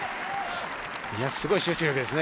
すごい集中力ですね。